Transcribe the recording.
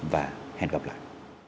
và hẹn gặp lại